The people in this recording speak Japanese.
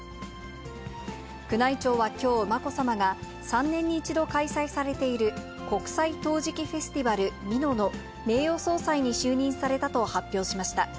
宮内庁はきょう、まこさまが３年に１度開催されている国際陶磁器フェスティバル美濃の名誉総裁に就任されたと発表しました。